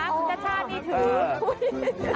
คุณชัชชาตินี่ถือ